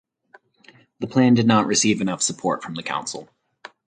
The plan did not receive enough support from the council.